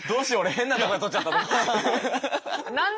変なとこで撮っちゃった。